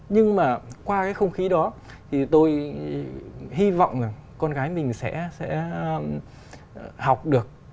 nhưng mà qua cái không khí đó thì tôi hy vọng rằng con gái mình sẽ học được